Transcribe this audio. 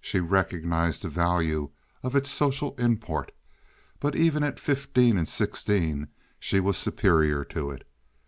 She recognized the value of its social import, but even at fifteen and sixteen she was superior to it.